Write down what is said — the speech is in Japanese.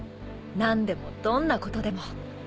何でもどんなことでも。